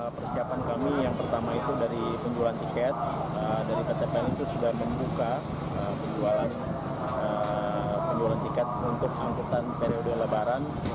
persiapan kami yang pertama itu dari penjualan tiket dari pt pn itu sudah membuka penjualan tiket untuk angkutan periode lebaran